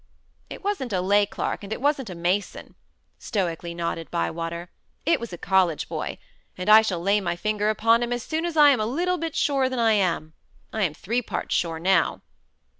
"It wasn't a lay clerk, and it wasn't a mason," stoically nodded Bywater. "It was a college boy. And I shall lay my finger upon him as soon as I am a little bit surer than I am. I am three parts sure now."